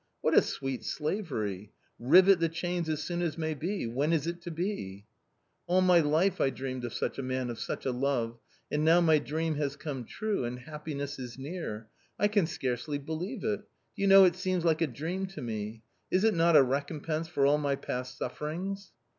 What a sweet slavery ! Rivet the chains as soon as may be ; when is it to be ?" All my life I dreamed of such a man, of such a love, and now my dream has come true, and happiness is near. I can scarcely believe it. Do you know it seems like a dream to me. Is it not a recompense for all my past sufferings